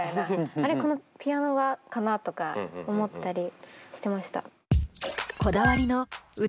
あれこのピアノがかな？とか思ったりしてました。